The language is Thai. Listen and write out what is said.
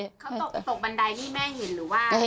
เขาตกบันไดนี่แม่เห็นหรือว่า